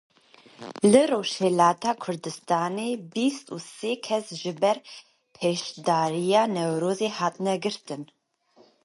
Li Rojhilatê Kurdistanê bîst û sê kes ji ber beşdariya Newrozê hatine girtin.